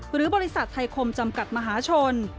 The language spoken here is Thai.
หรือบริษัทไทยคมจำกัดมหาชน